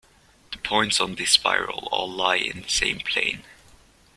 The points on this spiral all lie in the same plane.